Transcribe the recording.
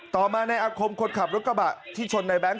ต่อมาในอาคมคนขับรถกระบะที่ชนในแง๊ง